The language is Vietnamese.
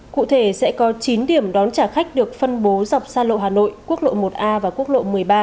cụ thể sẽ có chín điểm đón trả khách được phân bố dọc xa lộ hà nội quốc lộ một a và quốc lộ một mươi ba